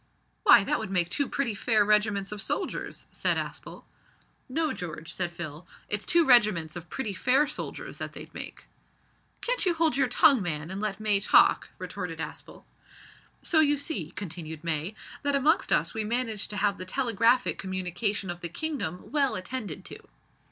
"Why, that would make two pretty fair regiments of soldiers," said Aspel. "No, George," said Phil, "it's two regiments of pretty fair soldiers that they'd make." "Can't you hold your tongue, man, an' let May talk?" retorted Aspel. "So, you see," continued May, "that amongst us we manage to have the telegraphic communication of the kingdom well attended to."